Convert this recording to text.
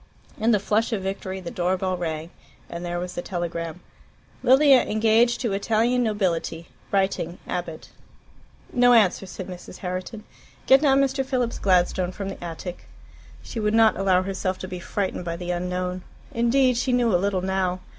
In the flush of victory the door bell rang, and there was the telegram: "Lilia engaged to Italian nobility. Writing. Abbott." "No answer," said Mrs. Herriton. "Get down Mr. Philip's Gladstone from the attic." She would not allow herself to be frightened by the unknown. Indeed she knew a little now.